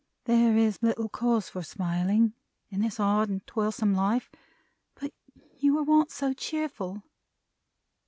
There is little cause for smiling in this hard and toilsome life, but you were once so cheerful."